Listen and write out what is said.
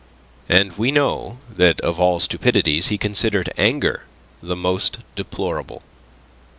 And we know that of all stupidities he considered anger the most deplorable.